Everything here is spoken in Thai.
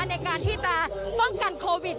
ในการที่จะป้องกันโควิด